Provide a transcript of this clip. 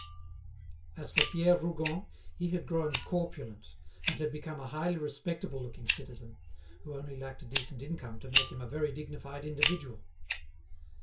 As for Pierre Rougon, he had grown corpulent, and had become a highly respectable looking citizen, who only lacked a decent income to make him a very dignified individual.